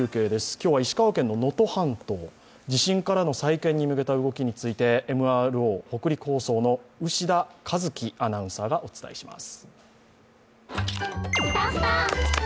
今日は石川県の能登半島、地震からの再建に向けた動きについてＭＲＯ、北陸放送の牛田和希アナウンサーがお伝えします。